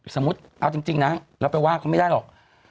สมมุติเอาจริงนะเราไปว่าเขาไม่ได้หรอก